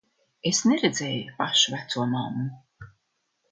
Es neredzēju pašu vecomammu.